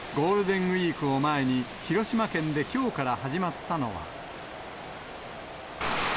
ゴールデンウィークを前に、広島県できょうから始まったのは。